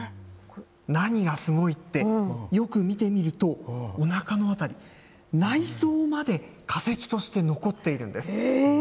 何がすごいって、よく見てみると、おなかの辺り、内臓まで化石として残っているんです。